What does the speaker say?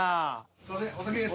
すいませんお先です。